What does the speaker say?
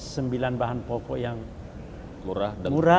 sembilan bahan pokok yang murah